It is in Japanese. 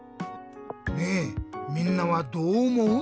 ねえみんなはどうおもう？